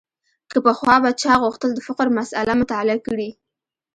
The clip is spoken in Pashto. که پخوا به چا غوښتل د فقر مسأله مطالعه کړي.